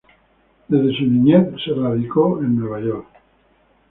Desde su niñez se radicó a Nueva York.